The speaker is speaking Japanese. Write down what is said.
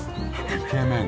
イケメン。